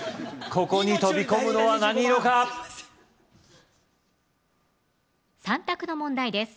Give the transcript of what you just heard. ここに飛び込むのは何色か３択の問題です